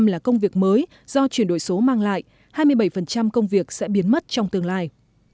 hai mươi sáu là công việc mới do chuyển đổi số mang lại hai mươi bảy công việc sẽ biến mất trong tương lai